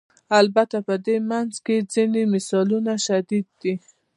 البته په دې منځ کې ځینې مثالونه شدید دي.